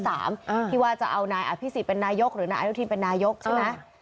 ที่ว่าจะเอานายอภิษฎเป็นนายกหรือนายอนุทินเป็นนายกใช่ไหม